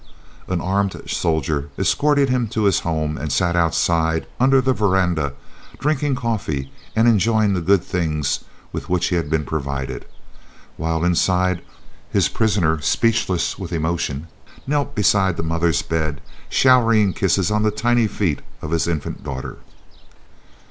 An armed soldier escorted him to his home and sat outside, under the verandah, drinking coffee and enjoying the good things with which he had been provided, while, inside, his prisoner, speechless with emotion, knelt beside the mother's bed, showering kisses on the tiny feet of his infant daughter.